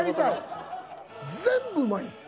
全部うまいんです。